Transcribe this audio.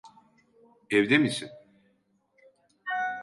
Evde misin?